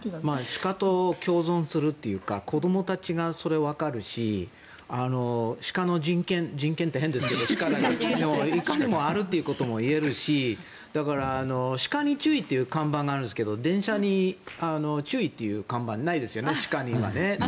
鹿と共存するというか子どもたちがそれをわかるし鹿の人権人権って変ですけど鹿にもあるってことが言えるしだから鹿に注意という看板があるんですけど電車に注意という看板ないですよね、鹿にはね。